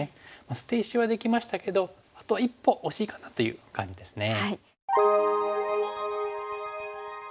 捨て石はできましたけどあと一歩惜しいかなという感じですね。